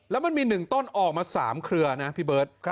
แล้วมันมี๑ต้นออกมา๓เครือนะพี่เบิร์ต